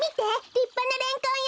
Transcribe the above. りっぱなレンコンよ！